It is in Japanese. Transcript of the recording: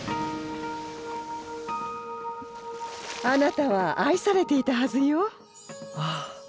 あなたは愛されていたはずよ。